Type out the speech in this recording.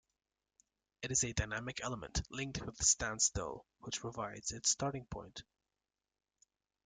It is a dynamic element linked with standstill, which provides its starting point.